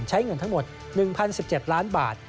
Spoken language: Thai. ใช้เงินทั้งหมด๑๐๑๗ล้านบาท